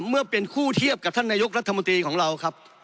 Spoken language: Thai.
เมื่อเป็นคู่เทียบกับท่านนายกรัฐมนตรีของเราครับ